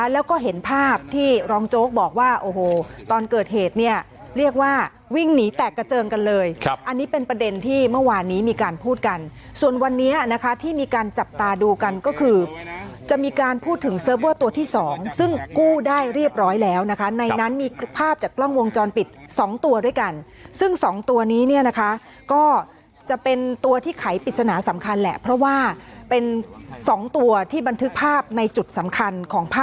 แล้วก็เห็นภาพที่รองโจ๊กบอกว่าโอ้โหตอนเกิดเหตุเนี้ยเรียกว่าวิ่งหนีแตกกระเจิงกันเลยครับอันนี้เป็นประเด็นที่เมื่อวานนี้มีการพูดกันส่วนวันนี้นะคะที่มีการจับตาดูกันก็คือจะมีการพูดถึงตัวที่สองซึ่งกู้ได้เรียบร้อยแล้วนะคะในนั้นมีภาพจากกล้องวงจรปิดสองตัวด้วยกันซึ่งสองตัวนี้เนี้ยนะคะก็